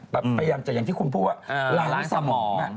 พยายามจะอย่างที่คุณพูดว่าหลังสมอง